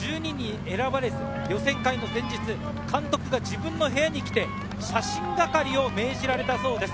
予選会の前日、監督が自分の部屋に来て、写真係を命じられたそうです。